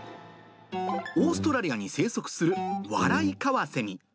オーストラリアに生息するワライカワセミ。